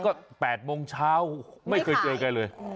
ก็๘โมงเช้าไม่เคยเจอกันเลย